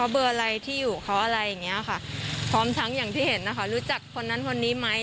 พร้อมทั้งอย่างที่เห็นนะคะรู้จักคนนั้นคนนี้ไหม